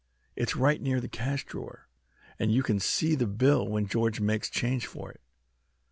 It's right near the cash drawer, and you can see the bill when George makes change for it."